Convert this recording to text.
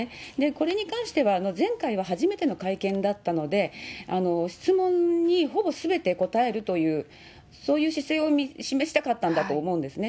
これに関しては、前回は初めての会見だったので、質問にほぼすべて答えるという、そういう姿勢を示したかったんだと思うんですね。